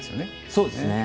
そうですね。